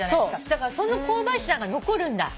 だからその香ばしさが残るんだ。